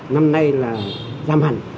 năm nay là giảm hẳn